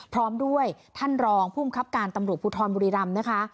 พร้อมด้วยท่านรองภูมิครับการตำรวจภูทรบุรีรำนะคะ